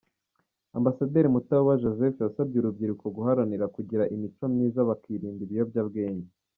Ambasaderi Mutaboba Joseph yasabye urubyiruko guharanira kugira imico myiza bakirinda ibiyobyabwenge.